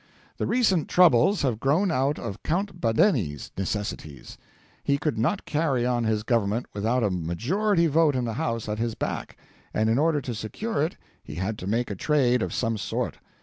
The recent troubles have grown out of Count Badeni's necessities. He could not carry on his Government without a majority vote in the House at his back, and in order to secure it he had to make a trade of some sort.